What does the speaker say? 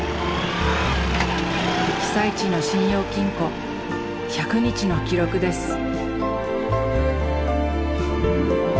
被災地の信用金庫１００日の記録です。